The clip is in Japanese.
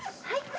はい。